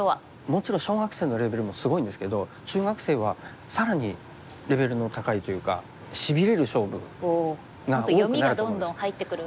もちろん小学生のレベルもすごいんですけど中学生はさらにレベルの高いというかしびれる勝負が多くなると思うんです。